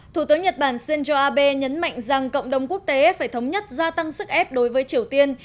thủ tướng nhật bản shinzo abe nhấn mạnh rằng cộng đồng quốc tế phải thống nhất gia tăng sức ép đối với triều tiên